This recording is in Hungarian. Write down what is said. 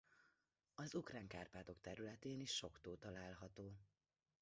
Az Ukrán-Kárpátok területén is sok tó található.